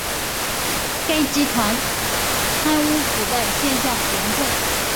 该集团贪污腐败现象严重。